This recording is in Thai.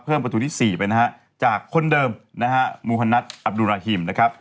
ประตูที่๔ไปนะฮะจากคนเดิมนะฮะมูฮนัดอับดุราฮิมนะครับ